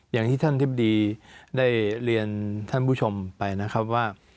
อย่างที่ท่านทิบดีได้เรียนท่านผู้ชมไปนะครับว่า